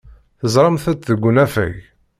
Teẓramt-t deg unafag.